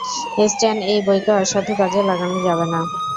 স্ট্যান, এই বইকে অসাধু কাজে লাগানো যাবে না।